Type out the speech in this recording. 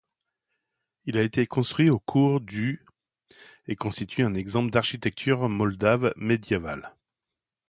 Il a été construit au cours du et constitue un exemple d'architecture moldave médiévale.